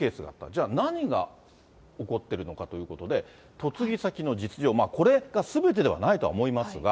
じゃあ何が起こっているのかということで、嫁ぎ先の実情、これがすべてではないと思いますが。